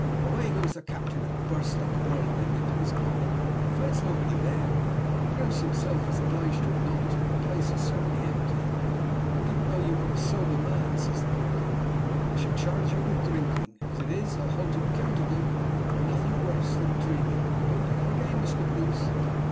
Away goes the captain, and bursts like a whirlwind into his cabin, and finds nobody there. Bruce himself is obliged to acknowledge that the place is certainly empty. 'If I didn't know you were a sober man,' says the captain, 'I should charge you with drinking. As it is, I'll hold you accountable for nothing worse than dreaming. Don't do it again, Mr. Bruce.'